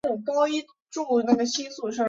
他们为什么去你国家？